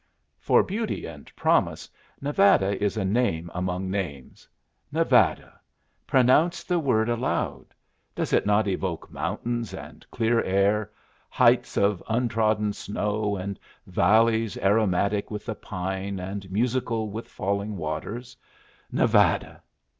For beauty and promise, Nevada is a name among names. Nevada! Pronounce the word aloud. Does it not evoke mountains and clear air, heights of untrodden snow and valleys aromatic with the pine and musical with falling waters? Nevada!